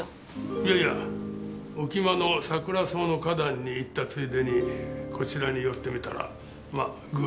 いやいや浮間のサクラソウの花壇に行ったついでにこちらに寄ってみたらまあ偶然。